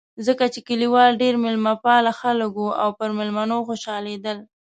ځکه چې کلیوال ډېر مېلمه پال خلک و او پر مېلمنو خوشحالېدل.